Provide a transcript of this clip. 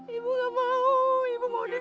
ibu gak mau ibu mau